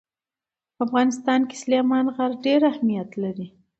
په افغانستان کې سلیمان غر ډېر اهمیت لري.